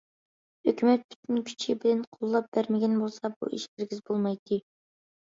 ھۆكۈمەت پۈتۈن كۈچى بىلەن قوللاپ بەرمىگەن بولسا بۇ ئىش ھەرگىز بولمايتتى.